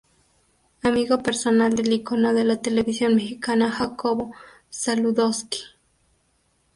Amigo personal del ícono de la Televisión Mexicana, Jacobo Zabludovsky.